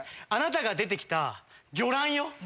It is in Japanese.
あなたが出て来た魚卵よ。